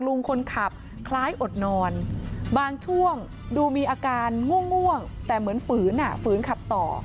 ลุงคนขับคล้ายอดนอนบางช่วงดูมีอาการง่วงแต่เหมือนฝืนฝืนขับต่อ